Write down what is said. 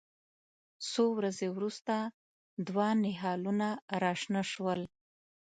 څو ورځې وروسته دوه نهالونه راشنه شول.